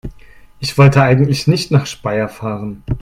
Ich wollte eigentlich nicht nach Speyer fahren